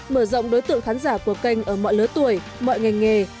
mở rộng đối tượng khán giả của kênh ở mọi lứa tuổi mọi ngành nghề